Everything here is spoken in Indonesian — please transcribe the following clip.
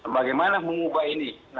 bagaimana mengubah ini